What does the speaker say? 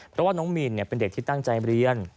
เพราะว่าน้องมีนเป็นเด็กที่ตั้งใจเรียน